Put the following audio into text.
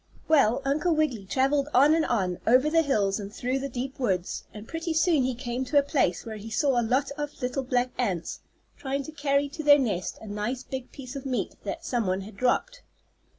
Well, Uncle Wiggily traveled on and on, over the hills and through the deep woods, and pretty soon he came to a place where he saw a lot of little black ants trying to carry to their nest a nice big piece of meat that some one had dropped.